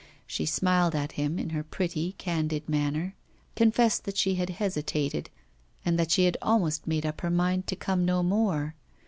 She smiled at him in her pretty candid manner, confessed that she had hesitated, and that she had almost made up her mind to come no more.